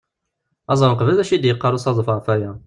Ad ẓren qbel d acu i d-yeqqar usaḍuf ɣef waya.